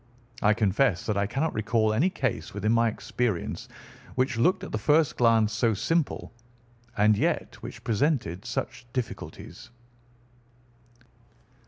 I confess that I cannot recall any case within my experience which looked at the first glance so simple and yet which presented such difficulties."